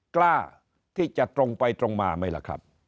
กล้าที่จะตรงไปตรงมาไหมล่ะครับ